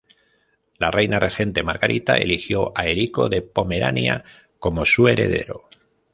La reina regente Margarita eligió a Erico de Pomerania como su heredero.